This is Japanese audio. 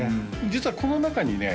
実はこの中にね